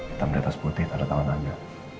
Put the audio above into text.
hitam di atas putih tak ada tangan anda